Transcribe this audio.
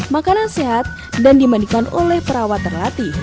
makanan sehat dan dimandikan oleh perawat terlatih